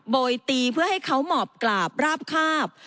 โดยตีเพื่อให้เขาหมอบกราบราบคาบ